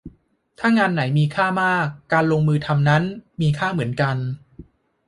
ถ้างานไหนมีค่ามาก การลงมือทำนั้นมีค่าเหมือนกัน